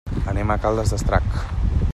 Anem a Caldes d'Estrac.